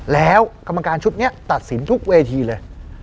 แล้วกรรมการชุดนี้ตัดสินทุกเวทีเลย